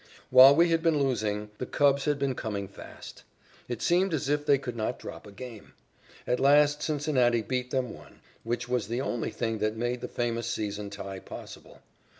While we had been losing, the Cubs had been coming fast. It seemed as if they could not drop a game. At last Cincinnati beat them one, which was the only thing that made the famous season tie possible.